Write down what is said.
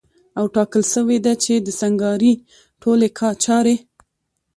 او ټاکل سوې ده چي د سنګکارۍ ټولي چاري